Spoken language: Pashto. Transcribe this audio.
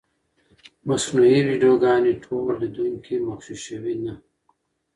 مصنوعي ویډیوګانې ټول لیدونکي مغشوشوي نه.